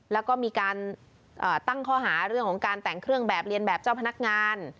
แล้วก็มีการตั้งข้อหาเรื่องของการแต่งเครื่องแบบเรียนแบบเจ้าพนักงาน